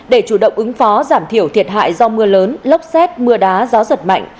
để chủ động ứng phó giảm thiểu thiệt hại do mưa lớn lốc xét mưa đá gió giật mạnh